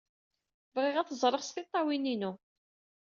Bɣiɣ ad t-ẓreɣ s tiṭṭawin-inu.